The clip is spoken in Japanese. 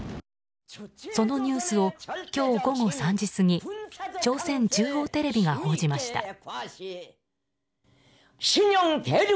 そのニュースを今日午後３時過ぎ朝鮮中央テレビが報じました。